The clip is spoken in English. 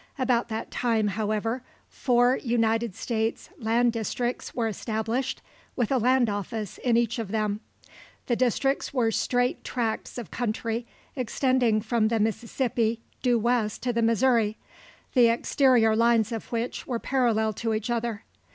About that time, however, four United States land districts were established, with a land office in each of them. The districts were straight tracts of country extending from the Mississippi due west to the Missouri, the exterior lines of which were parallel to each other.